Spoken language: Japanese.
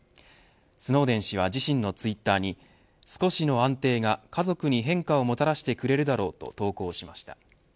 スノーデン氏は自身のツイッターに少しの安定が家族に変化をもたらしてくれるだろうと投稿しました。